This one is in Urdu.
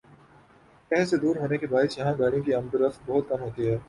شہر سے دور ہونے کے باعث یہاں گاڑیوں کی آمدورفت بہت کم ہوتی ہے ۔